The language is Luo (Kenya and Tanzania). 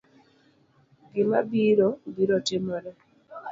Gima biro, biro timore